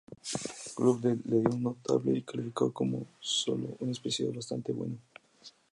Club le dio un notable y lo calificó como "sólo un episodio bastante bueno".